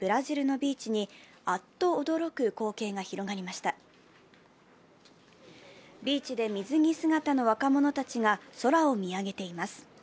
ビーチで水着姿の若者たちが空を見上げています。